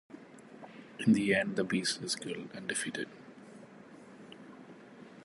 In the end, the Beast is killed and defeated.